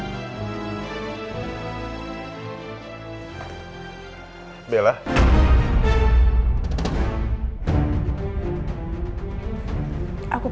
jangan lupa subscribe like dan share ya